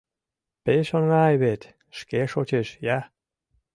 Пеш оҥай вет, шке шочеш я.